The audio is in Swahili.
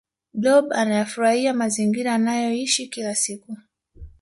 blob anayafuraia mazingira anayoishi kila siku